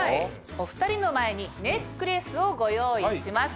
お２人の前にネックレスをご用意しました。